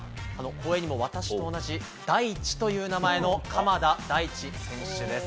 光栄にも私と同じダイチという名前の、鎌田大地選手です。